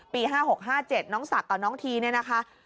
๕๖๕๗น้องศักดิ์กับน้องทีเนี่ยนะคะ